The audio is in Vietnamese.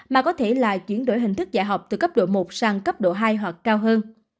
mà có thể là chuyển đổi hình thức dạy học từ cấp độ một sang cấp độ hai hoặc cao hơn